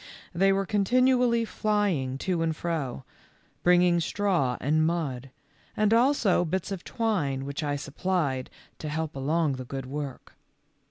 They were con tinually flying to and fro ; bringing straw and mud, and also bits of twine which I supplied to help along the good work.